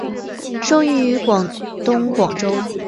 生于广东广州。